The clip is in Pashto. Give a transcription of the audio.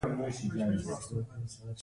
ولسمشر د حکومت چارې پرمخ وړي.